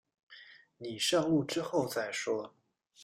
你上路之后再说